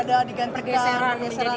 ada adegan pergeseran